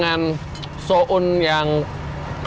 makanya mohon rp dua ratus yuk